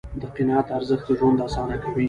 د قناعت ارزښت ژوند آسانه کوي.